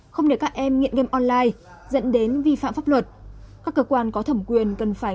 không để các em nghiện game online dẫn đến vi phạm pháp luật các cơ quan có thẩm quyền cần phải